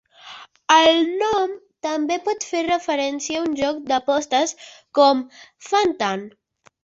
El nom també pot fer referència a un joc d'apostes, com Fan-Tan.